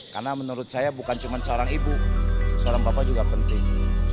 karena menurut saya bukan cuma seorang ibu seorang bapak juga penting